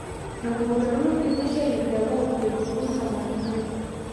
نو په موټرونو کې څه شی لېږدوو؟ د روغتون سامانونه.